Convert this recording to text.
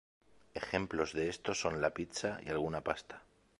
Ejemplos de esto son la pizza y alguna pasta.